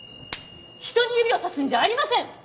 人に指をさすんじゃありません！